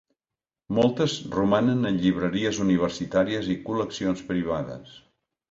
Moltes romanen en llibreries universitàries i col·leccions privades.